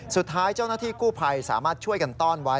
สุดท้ายเจ้าหน้าที่กู้ภัยสามารถช่วยกันต้อนไว้